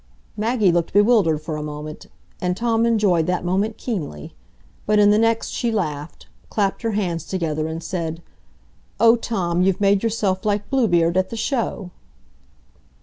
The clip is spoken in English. Maggie looked bewildered for a moment, and Tom enjoyed that moment keenly; but in the next she laughed, clapped her hands together, and said, "Oh, Tom, you've made yourself like Bluebeard at the show."